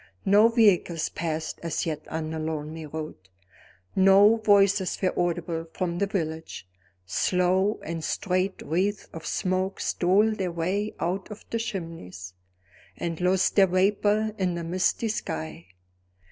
No vehicles passed as yet on the lonely road; no voices were audible from the village; slow and straight wreaths of smoke stole their way out of the chimneys, and lost their vapor in the misty sky.